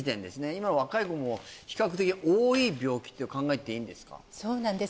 今の若い子も比較的多い病気って考えていいんですかそうなんです